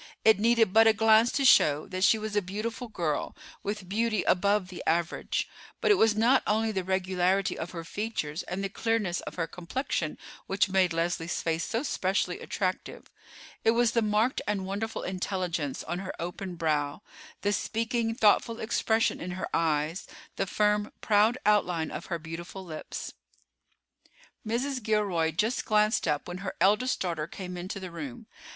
It needed but a glance to show that she was a beautiful girl, with beauty above the average; but it was not only the regularity of her features and the clearness of her complexion which made Leslie's face so specially attractive. It was the marked and wonderful intelligence on her open brow, the speaking, thoughtful expression in her eyes, the firm, proud outline of her beautiful lips. Mrs. Gilroy just glanced up when her eldest daughter came into the room.